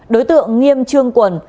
đối tượng nghiêm trương quần